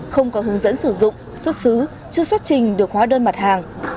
không có hướng dẫn sử dụng xuất xứ chưa xuất trình được hóa đơn mặt hàng